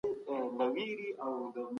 سپين سرې د کور رڼا دي.